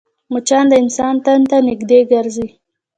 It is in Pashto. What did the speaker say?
مچان د انسان تن ته نږدې ګرځي